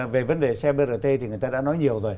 về vấn đề xe brt thì người ta đã nói nhiều rồi